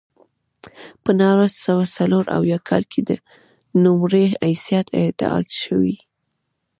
په نولس سوه څلور اویا کال کې د نوموړي حیثیت اعاده شو.